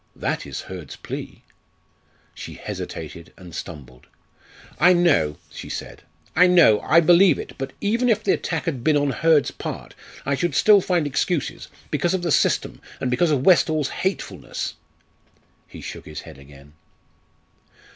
That is Hurd's plea." She hesitated and stumbled. "I know," she said, "I know. I believe it. But, even if the attack had been on Hurd's part, I should still find excuses, because of the system, and because of Westall's hatefulness." He shook his head again.